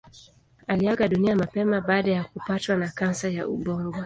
Aliaga dunia mapema baada ya kupatwa na kansa ya ubongo.